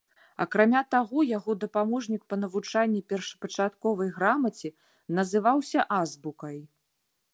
Акрамя таго, яго дапаможнік па навучанні першапачатковай грамаце называўся азбукай.